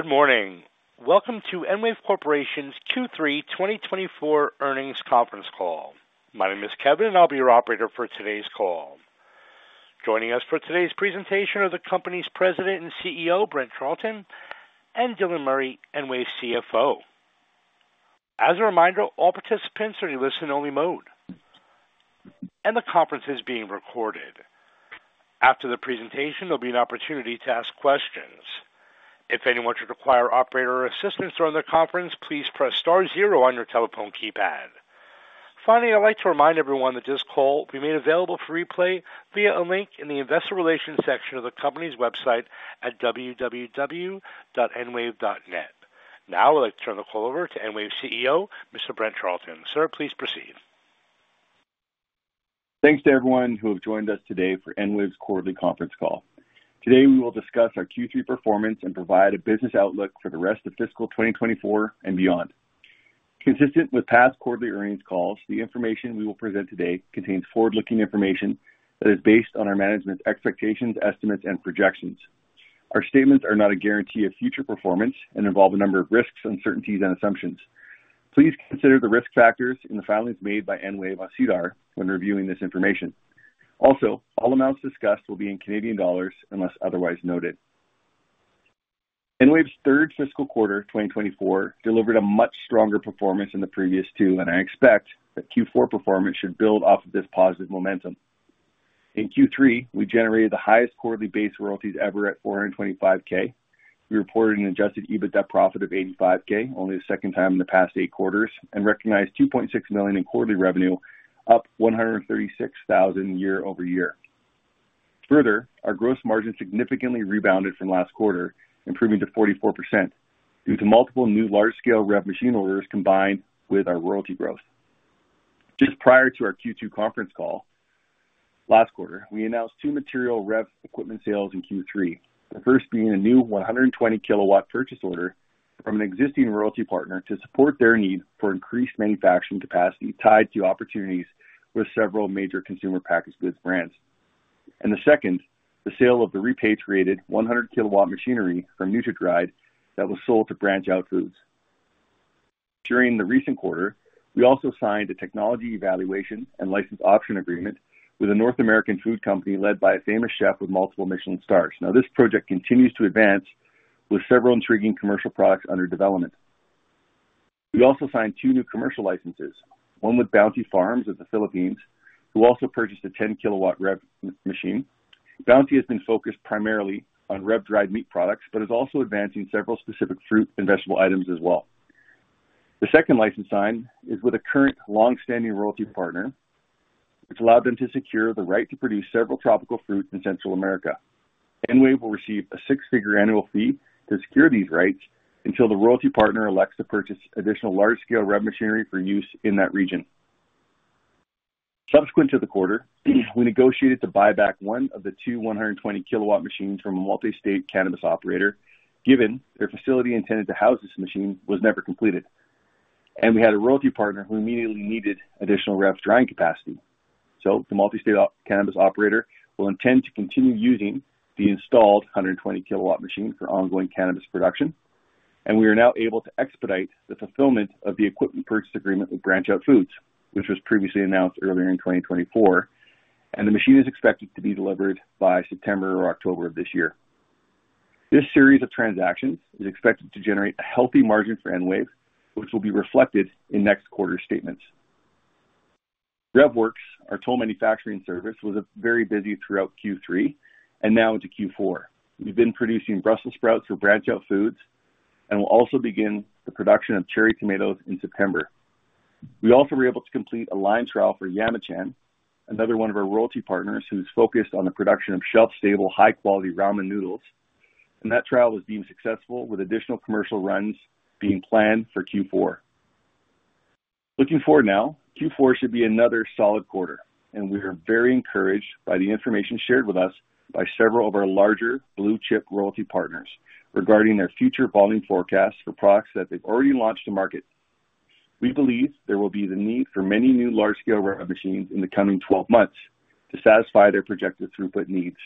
Good morning. Welcome to EnWave Corporation's Q3 2024 Earnings Conference call. My name is Kevin, and I'll be your operator for today's call. Joining us for today's presentation are the company's President and CEO, Brent Charleton, and Dylan Murray, EnWave's CFO. As a reminder, all participants are in listen-only mode, and the conference is being recorded. After the presentation, there'll be an opportunity to ask questions. If anyone should require operator assistance during the conference, please press star zero on your telephone keypad. Finally, I'd like to remind everyone that this call will be made available for replay via a link in the investor relations section of the company's website at www.enwave.net. Now I'd like to turn the call over to EnWave CEO, Mr. Brent Charleton. Sir, please proceed. Thanks to everyone who has joined us today for EnWave's quarterly conference call. Today, we will discuss our Q3 performance and provide a business outlook for the rest of fiscal 2024 and beyond. Consistent with past quarterly earnings calls, the information we will present today contains forward-looking information that is based on our management's expectations, estimates, and projections. Our statements are not a guarantee of future performance and involve a number of risks, uncertainties, and assumptions. Please consider the risk factors in the filings made by EnWave on SEDAR when reviewing this information. Also, all amounts discussed will be in Canadian dollars unless otherwise noted. EnWave's third fiscal quarter, 2024, delivered a much stronger performance than the previous two, and I expect that Q4 performance should build off of this positive momentum. In Q3, we generated the highest quarterly base royalties ever at 425,000. We reported an adjusted EBITDA profit of 85,000, only the second time in the past eight quarters, and recognized 2.6 million in quarterly revenue, up 136,000 year over year. Further, our gross margin significantly rebounded from last quarter, improving to 44%, due to multiple new large-scale REV machine orders combined with our royalty growth. Just prior to our Q2 conference call, last quarter, we announced two material REV equipment sales in Q3. The first being a new 120-kilowatt purchase order from an existing royalty partner to support their need for increased manufacturing capacity tied to opportunities with several major consumer packaged goods brands, and the second, the sale of the repatriated 100-kilowatt machinery from NutraDry that was sold to BranchOut Foods. During the recent quarter, we also signed a technology evaluation and license option agreement with a North American food company led by a famous chef with multiple Michelin stars. Now, this project continues to advance with several intriguing commercial products under development. We also signed two new commercial licenses, one with Bounty Farms of the Philippines, who also purchased a 10-kilowatt REV machine. Bounty has been focused primarily on REV dried meat products, but is also advancing several specific fruit and vegetable items as well. The second license signed is with a current long-standing royalty partner, which allowed them to secure the right to produce several tropical fruits in Central America. EnWave will receive a six-figure annual fee to secure these rights until the royalty partner elects to purchase additional large-scale REV machinery for use in that region. Subsequent to the quarter, we negotiated to buy back one of the two 120-kilowatt machines from a multi-state cannabis operator, given their facility intended to house this machine was never completed, and we had a royalty partner who immediately needed additional REV's drying capacity. So the multi-state cannabis operator will intend to continue using the installed 120-kilowatt machine for ongoing cannabis production, and we are now able to expedite the fulfillment of the equipment purchase agreement with Branch Out Foods, which was previously announced earlier in 2024, and the machine is expected to be delivered by September or October of this year. This series of transactions is expected to generate a healthy margin for EnWave, which will be reflected in next quarter's statements. REVworx, our toll manufacturing service, was very busy throughout Q3 and now into Q4. We've been producing Brussels sprouts for Branch Out Foods and will also begin the production of cherry tomatoes in September. We also were able to complete a line trial for Yamachan, another one of our royalty partners, who's focused on the production of shelf-stable, high-quality ramen noodles, and that trial was deemed successful, with additional commercial runs being planned for Q4. Looking forward now, Q4 should be another solid quarter, and we are very encouraged by the information shared with us by several of our larger blue-chip royalty partners regarding their future volume forecasts for products that they've already launched to market. We believe there will be the need for many new large-scale REV machines in the coming twelve months to satisfy their projected throughput needs.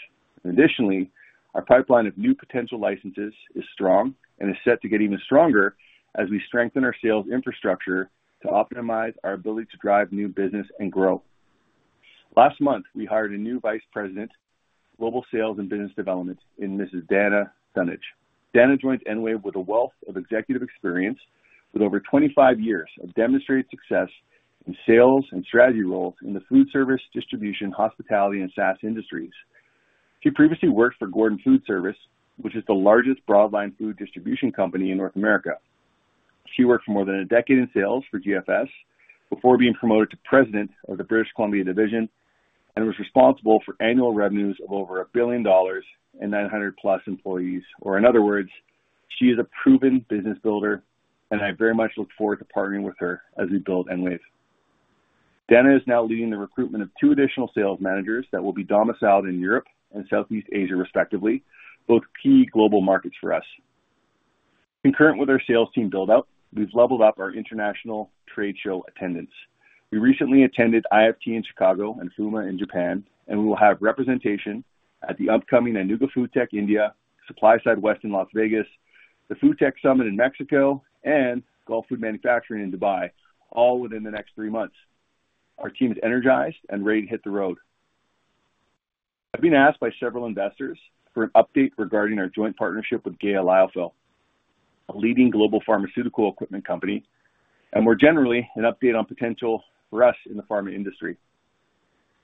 Additionally, our pipeline of new potential licenses is strong and is set to get even stronger as we strengthen our sales infrastructure to optimize our ability to drive new business and growth. Last month, we hired a new Vice President, Global Sales and Business Development, Dana D'Unitsch. Dana joined EnWave with a wealth of executive experience with over twenty-five years of demonstrated success in sales and strategy roles in the food service, distribution, hospitality, and SaaS industries. She previously worked for Gordon Food Service, which is the largest broadline food distribution company in North America. She worked for more than a decade in sales for GFS before being promoted to president of the British Columbia division and was responsible for annual revenues of over $1 billion and nine hundred plus employees. Or in other words, she is a proven business builder, and I very much look forward to partnering with her as we build EnWave. Dana is now leading the recruitment of two additional sales managers that will be domiciled in Europe and Southeast Asia, respectively, both key global markets for us. Concurrent with our sales team build out, we've leveled up our international trade show attendance … We recently attended IFT in Chicago and FOOMA in Japan, and we will have representation at the upcoming Anuga FoodTec India, SupplySide West in Las Vegas, the FoodTech Summit in Mexico, and Gulfood Manufacturing in Dubai, all within the next three months. Our team is energized and ready to hit the road. I've been asked by several investors for an update regarding our joint partnership with GEA Lyophil, a leading global pharmaceutical equipment company, and more generally, an update on potential for us in the pharma industry.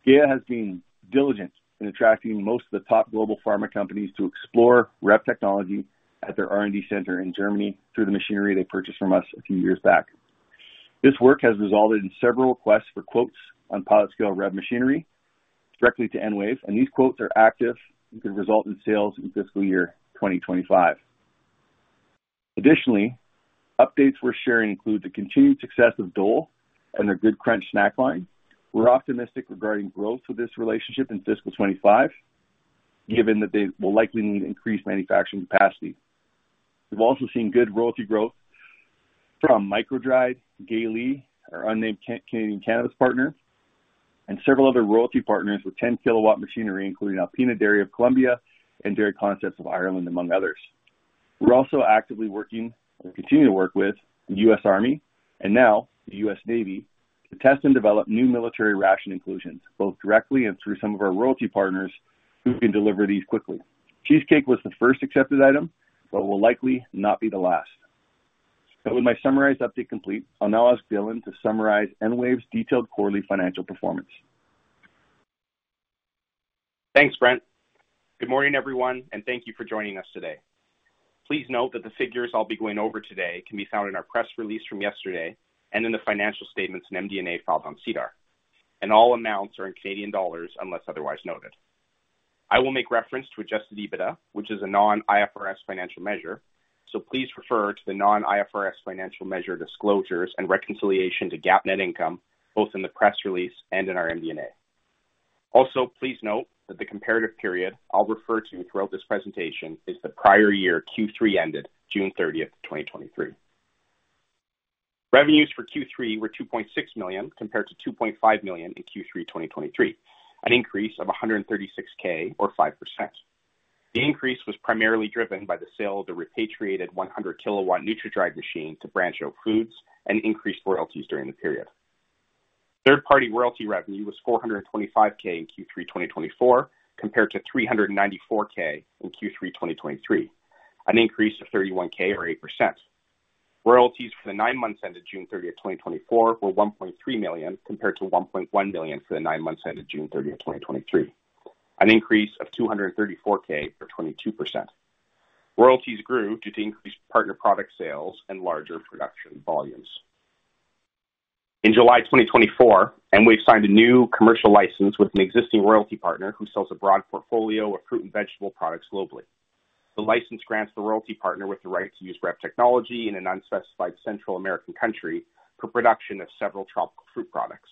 GEA has been diligent in attracting most of the top global pharma companies to explore REV technology at their R&D center in Germany through the machinery they purchased from us a few years back. This work has resulted in several requests for quotes on pilot scale REV machinery directly to EnWave, and these quotes are active and could result in sales in fiscal year 2025. Additionally, updates we're sharing include the continued success of Dole and their Good Crunch snack line. We're optimistic regarding growth of this relationship in fiscal 2025, given that they will likely need increased manufacturing capacity. We've also seen good royalty growth from MicroDried, Gay Lea, our unnamed Canadian cannabis partner, and several other royalty partners with 10-kilowatt machinery, including Alpina Dairy of Colombia and Dairy Concepts of Ireland, among others. We're also actively working, and continue to work with, the U.S. Army and now the U.S. Navy, to test and develop new military ration inclusions, both directly and through some of our royalty partners who can deliver these quickly. Cheesecake was the first accepted item, but will likely not be the last. So with my summarized update complete, I'll now ask Dylan to summarize EnWave's detailed quarterly financial performance. Thanks, Brent. Good morning, everyone, and thank you for joining us today. Please note that the figures I'll be going over today can be found in our press release from yesterday and in the financial statements and MD&A filed on SEDAR, and all amounts are in Canadian dollars, unless otherwise noted. I will make reference to adjusted EBITDA, which is a non-IFRS financial measure, so please refer to the non-IFRS financial measure disclosures and reconciliation to GAAP net income, both in the press release and in our MD&A. Also, please note that the comparative period I'll refer to throughout this presentation is the prior year, Q3 ended June thirtieth, 2023. Revenues for Q3 were 2.6 million, compared to 2.5 million in Q3 2023, an increase of 136,000 or 5%. The increase was primarily driven by the sale of the repatriated 100-kilowatt NutraDry machine to Branch Out Foods and increased royalties during the period. Third-party royalty revenue was 425,000 in Q3 2024, compared to 394,000 in Q3 2023, an increase of 31,000 or 8%. Royalties for the nine months ended June thirtieth, 2024, were 1.3 million, compared to 1.1 million for the nine months ended June thirtieth, 2023, an increase of 234,000 or 22%. Royalties grew due to increased partner product sales and larger production volumes. In July 2024, EnWave signed a new commercial license with an existing royalty partner who sells a broad portfolio of fruit and vegetable products globally. The license grants the royalty partner with the right to use REV technology in an unspecified Central American country for production of several tropical fruit products.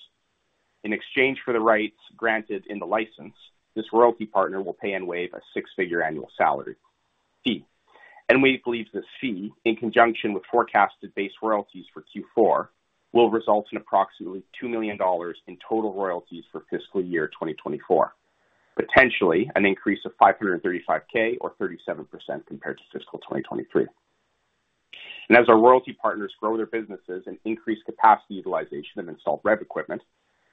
In exchange for the rights granted in the license, this royalty partner will pay EnWave a six-figure annual salary fee. EnWave believes this fee, in conjunction with forecasted base royalties for Q4, will result in approximately 2 million dollars in total royalties for fiscal year 2024, potentially an increase of 535,000 or 37% compared to fiscal 2023. As our royalty partners grow their businesses and increase capacity utilization of installed REV equipment,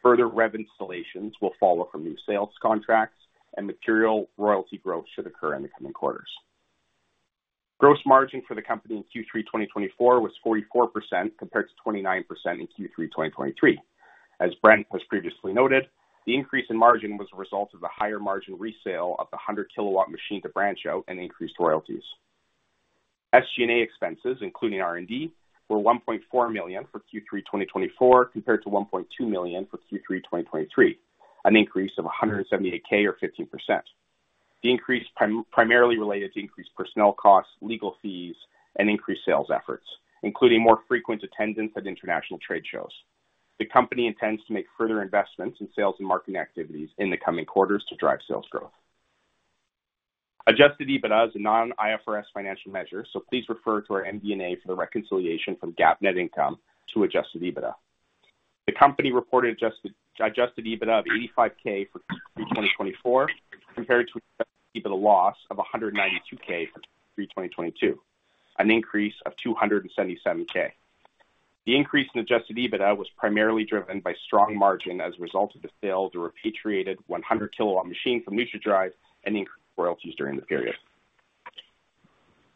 further REV installations will follow from new sales contracts and material royalty growth should occur in the coming quarters. Gross margin for the company in Q3 2024 was 44%, compared to 29% in Q3 2023. As Brent has previously noted, the increase in margin was a result of the higher margin resale of the 100-kilowatt machine to BranchOut and increased royalties. SG&A expenses, including R&D, were 1.4 million for Q3 2024, compared to 1.2 million for Q3 2023, an increase of 178K or 15%. The increase primarily related to increased personnel costs, legal fees, and increased sales efforts, including more frequent attendance at international trade shows. The company intends to make further investments in sales and marketing activities in the coming quarters to drive sales growth. Adjusted EBITDA is a non-IFRS financial measure, so please refer to our MD&A for the reconciliation from GAAP net income to adjusted EBITDA. The company reported adjusted EBITDA of 85,000 for 2024, compared to EBITDA loss of 192,000 for 2022, an increase of 277,000. The increase in adjusted EBITDA was primarily driven by strong margin as a result of the sale of the repatriated 100-kilowatt machine from NutraDry and increased royalties during the period.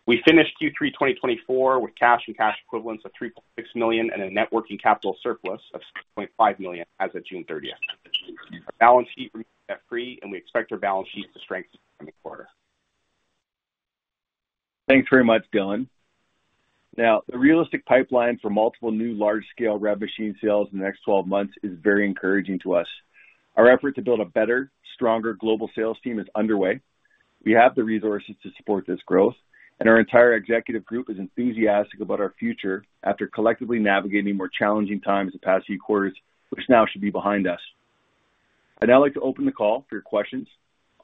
We finished Q3 2024 with cash and cash equivalents of 3.6 million and a net working capital surplus of 6.5 million as of June thirtieth. Our balance sheet remains debt-free, and we expect our balance sheet to strengthen in the coming quarter. Thanks very much, Dylan. Now, the realistic pipeline for multiple new large-scale REV machine sales in the next twelve months is very encouraging to us. Our effort to build a better, stronger global sales team is underway. We have the resources to support this growth, and our entire executive group is enthusiastic about our future after collectively navigating more challenging times in the past few quarters, which now should be behind us. I'd now like to open the call for your questions.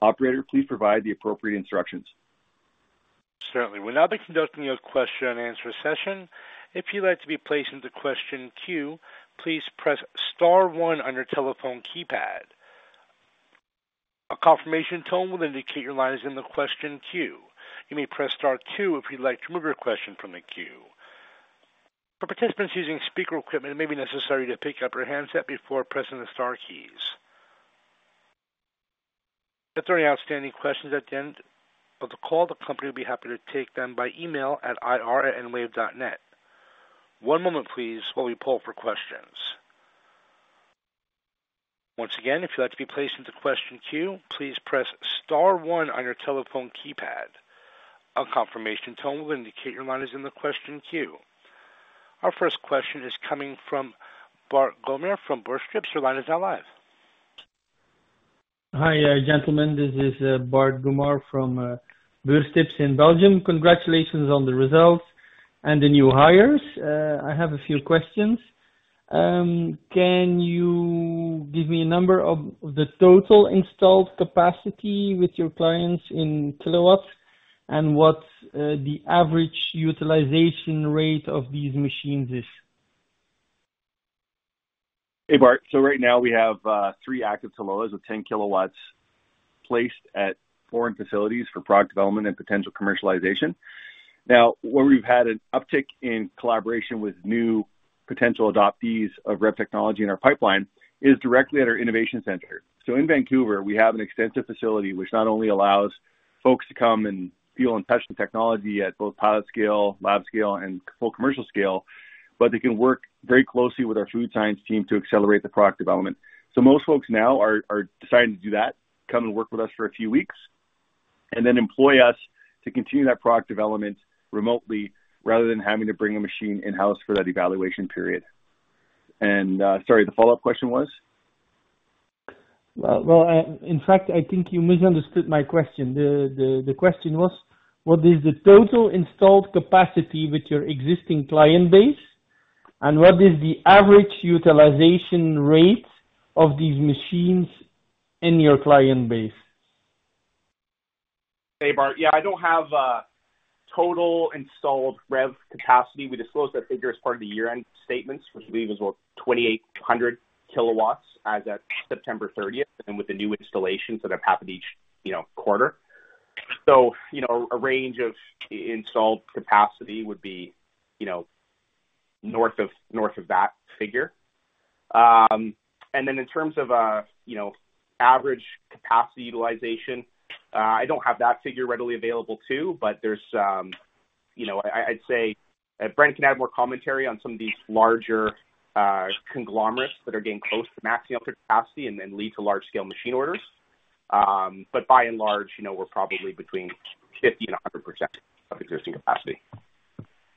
Operator, please provide the appropriate instructions. ...Certainly. We'll now be conducting a question and answer session. If you'd like to be placed into question queue, please press star one on your telephone keypad. A confirmation tone will indicate your line is in the question queue. You may press star two if you'd like to remove your question from the queue. For participants using speaker equipment, it may be necessary to pick up your handset before pressing the star keys. If there are any outstanding questions at the end of the call, the company will be happy to take them by email at ir@enwave.net. One moment please, while we poll for questions. Once again, if you'd like to be placed into question queue, please press star one on your telephone keypad. A confirmation tone will indicate your line is in the question queue. Our first question is coming from Bart Goemaere, from BeursTips. Your line is now live. Hi, gentlemen. This is Bart Goemaere from BeursTips in Belgium. Congratulations on the results and the new hires. I have a few questions. Can you give me a number of the total installed capacity with your clients in kilowatts, and what the average utilization rate of these machines is? Hey, Bart. So right now we have three active 10-kilowatt REV machines placed at foreign facilities for product development and potential commercialization. Now, where we've had an uptick in collaboration with new potential adoptees of REV technology in our pipeline, is directly at our innovation center. In Vancouver, we have an extensive facility which not only allows folks to come and feel and touch the technology at both pilot scale, lab scale, and full commercial scale, but they can work very closely with our food science team to accelerate the product development. Most folks now are deciding to do that, come and work with us for a few weeks, and then employ us to continue that product development remotely, rather than having to bring a machine in-house for that evaluation period. Sorry, the follow-up question was? In fact, I think you misunderstood my question. The question was: What is the total installed capacity with your existing client base, and what is the average utilization rate of these machines in your client base? Hey, Bart. Yeah, I don't have a total installed REV capacity. We disclosed that figure as part of the year-end statements, which I believe is about 2,800 kilowatts as at September thirtieth, and with the new installations that have happened each, you know, quarter. So, you know, a range of installed capacity would be, you know, north of, north of that figure. And then in terms of, you know, average capacity utilization, I don't have that figure readily available, too, but there's, you know. I'd say, if Brent can add more commentary on some of these larger, conglomerates that are getting close to maxing out their capacity and then lead to large-scale machine orders. But by and large, you know, we're probably between 50% and 100% of existing capacity.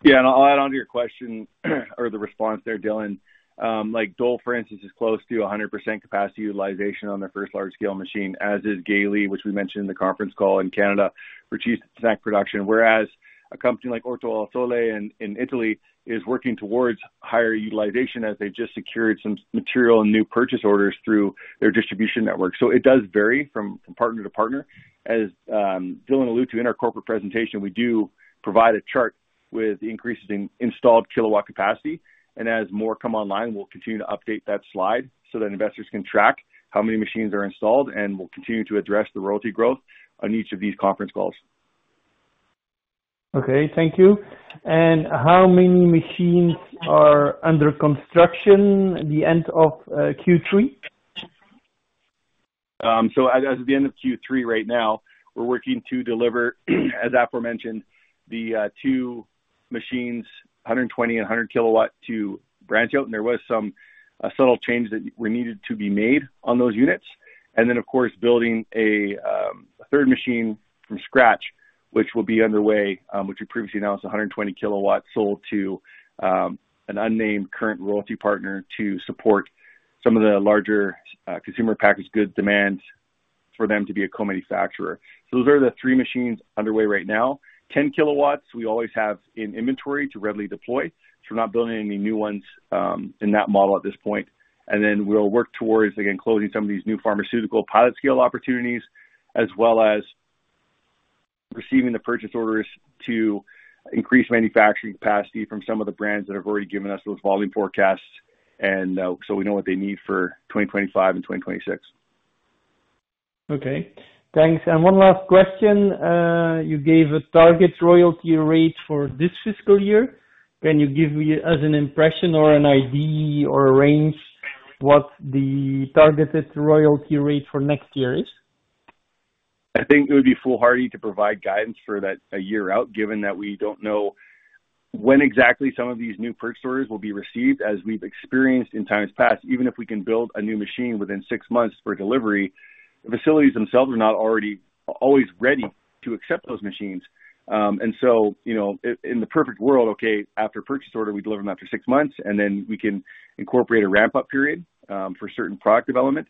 Yeah, and I'll add on to your question, or the response there, Dylan. Like Dole, for instance, is close to 100% capacity utilization on their first large-scale machine, as is Gay Lea, which we mentioned in the conference call in Canada, for cheese snack production. Whereas a company like Orto Al Sole in Italy is working towards higher utilization, as they just secured some material and new purchase orders through their distribution network. So it does vary from partner to partner. As Dylan alluded to in our corporate presentation, we do provide a chart with the increases in installed kilowatt capacity, and as more come online, we'll continue to update that slide so that investors can track how many machines are installed, and we'll continue to address the royalty growth on each of these conference calls. Okay, thank you. And how many machines are under construction at the end of Q3? So as of the end of Q3, right now, we're working to deliver, as Bart mentioned, the two machines, 120- and 100-kilowatt to BranchOut, and there was some subtle changes that were needed to be made on those units. And then, of course, building a third machine from scratch, which will be underway, which we previously announced a 120-kilowatt sold to an unnamed current royalty partner to support some of the larger consumer packaged goods demand for them to be a co-manufacturer. So those are the three machines underway right now. 10 kilowatts, we always have in inventory to readily deploy, so we're not building any new ones in that model at this point. Then we'll work towards, again, closing some of these new pharmaceutical pilot scale opportunities, as well as receiving the purchase orders to increase manufacturing capacity from some of the brands that have already given us those volume forecasts, and so we know what they need for 2025 and 2026. Okay, thanks. And one last question. You gave a target royalty rate for this fiscal year. Can you give me, as an impression or an idea or a range, what the targeted royalty rate for next year is? I think it would be foolhardy to provide guidance for that a year out, given that we don't know when exactly some of these new purchase orders will be received. As we've experienced in times past, even if we can build a new machine within six months for delivery, the facilities themselves are not already, always ready to accept those machines. And so, you know, in the perfect world, okay, after a purchase order, we deliver them after six months, and then we can incorporate a ramp-up period, for certain product development.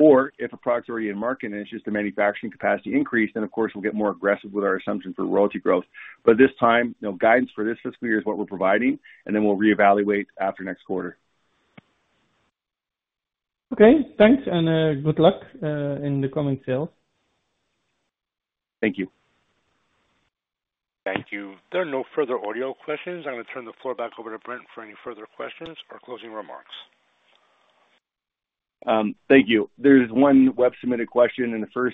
Or if a product's already in market, and it's just the manufacturing capacity increase, then of course, we'll get more aggressive with our assumption for royalty growth. But this time, you know, guidance for this fiscal year is what we're providing, and then we'll reevaluate after next quarter. Okay, thanks, and good luck in the coming sales. Thank you. Thank you. There are no further audio questions. I'm going to turn the floor back over to Brent for any further questions or closing remarks. Thank you. There's one web-submitted question in the first-